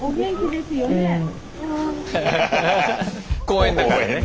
公園だからね。